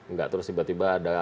enggak terus tiba tiba ada